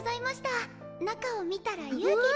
中を見たら勇気が。